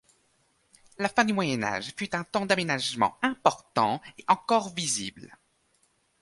La fin du Moyen Âge fut un temps d’aménagements importants et encore visibles.